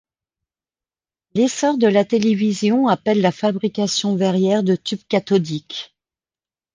L'essor de la télévision appelle la fabrication verrière de tube cathodique.